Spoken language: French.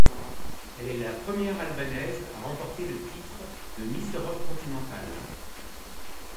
Elle est la première albanaise à remporter le titre de Miss Europe Continental.